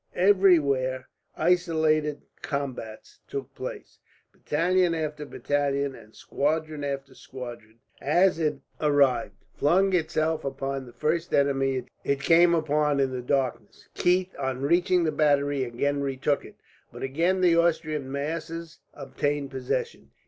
Everywhere isolated combats took place. Battalion after battalion, and squadron after squadron, as it arrived, flung itself upon the first enemy it came upon in the darkness. Keith, on reaching the battery, again retook it; but again the Austrian masses obtained possession.